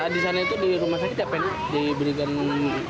di rumah sakit apa yang diberikan